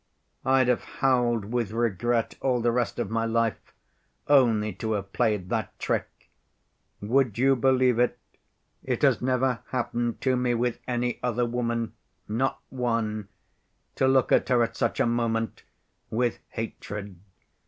I'd have howled with regret all the rest of my life, only to have played that trick. Would you believe it, it has never happened to me with any other woman, not one, to look at her at such a moment with hatred.